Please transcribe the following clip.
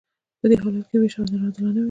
په دې حالت کې ویش غیر عادلانه وي.